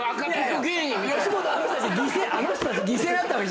吉本あの人たち犠牲になったわけじゃないから。